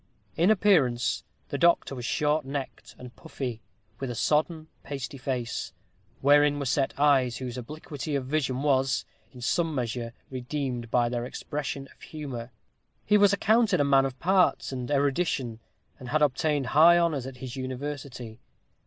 In appearance, the doctor was short necked and puffy, with a sodden, pasty face, wherein were set eyes whose obliquity of vision was, in some measure, redeemed by their expression of humor. He was accounted a man of parts and erudition, and had obtained high honors at his university.